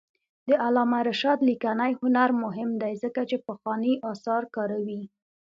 د علامه رشاد لیکنی هنر مهم دی ځکه چې پخواني آثار کاروي.